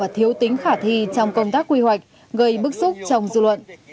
thiếu tính khả thi trong công tác quy hoạch gây bức xúc trong dư luận